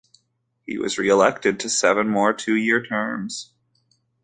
He was re-elected to seven more two-year terms.